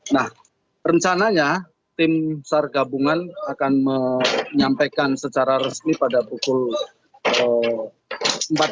nah rencananya tim sar gabungan akan menyampaikan secara resmi pada pukul empat belas